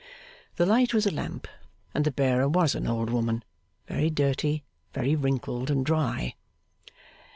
The light was a lamp, and the bearer was an old woman: very dirty, very wrinkled and dry.